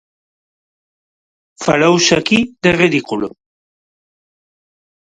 Falouse aquí de ridículo.